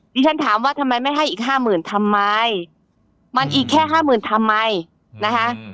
ที่ฉันถามว่าทำไมไม่ให้อีกห้าหมื่นทำไมมันอีกแค่ห้าหมื่นทำไมนะคะ